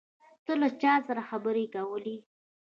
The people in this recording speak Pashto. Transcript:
ته له چا سره خبرې کولې؟